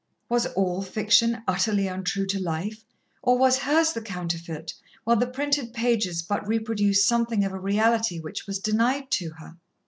Was all fiction utterly untrue to life? or was hers the counterfeit, while the printed pages but reproduced something of a reality which was denied to her?